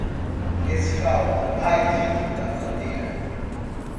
Desfralda a invicta bandeira